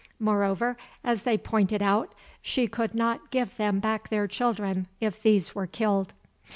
Moreover, as they pointed out, she could not give them back their children if these were killed.